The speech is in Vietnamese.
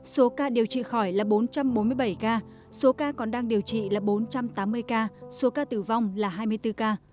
số ca điều trị khỏi là bốn trăm bốn mươi bảy ca số ca còn đang điều trị là bốn trăm tám mươi ca số ca tử vong là hai mươi bốn ca